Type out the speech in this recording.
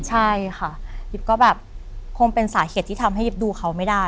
ใช่ค่ะยิบก็แบบคงเป็นสาเหตุที่ทำให้ยิบดูเขาไม่ได้